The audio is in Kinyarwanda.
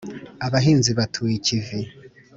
abahinzi batuye ikivi